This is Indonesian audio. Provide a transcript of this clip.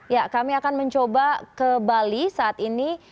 ya kami akan mencoba ke bali saat ini